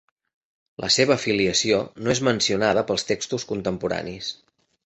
La seva filiació no és mencionada pels textos contemporanis.